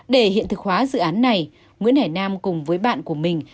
để hiện thực hóa dự án này nguyễn hải nam cùng với bạn của mình